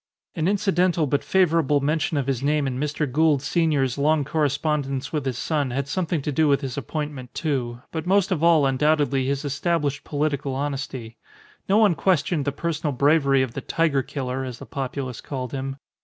An incidental but favourable mention of his name in Mr. Gould senior's long correspondence with his son had something to do with his appointment, too; but most of all undoubtedly his established political honesty. No one questioned the personal bravery of the Tiger killer, as the populace called him.